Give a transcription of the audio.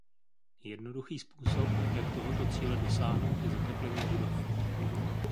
Jednoduchý způsob jak tohoto cíle dosáhnout je zateplení budov.